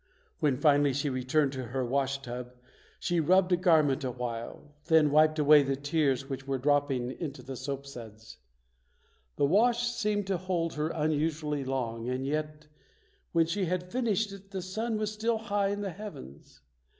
When finally she returned to her washtub, she rubbed a garment a while, then wiped away the tears which were dropping into the soapsuds. The wash seemed to hold her unusually long and yet, when she had finished it, the sun was still high in the heavens.